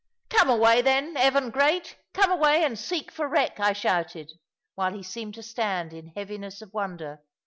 "Come away, then, Evan great; come away and seek for wreck," I shouted, while he seemed to stand in heaviness of wonder.